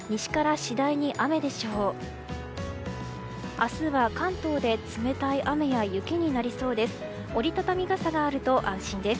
明日は関東で冷たい雨や雪になりそうです。